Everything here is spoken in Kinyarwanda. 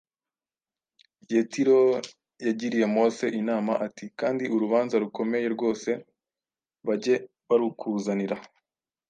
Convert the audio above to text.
Yetiro yagiriye Mose inama ati: “kandi urubanza rukomeye rwose bajye barukuzanira,